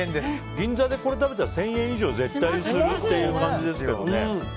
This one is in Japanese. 銀座で食べたら１０００円以上絶対する味ですけどね。